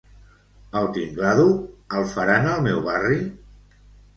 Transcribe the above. "El Tingladu" el faran al meu barri?